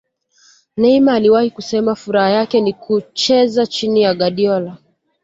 Neymar aliwahi kusema furaha yake ni kuchrza chini ya Guardiola